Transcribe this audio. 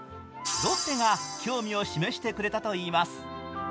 ロッテが興味を示してくれたといいます。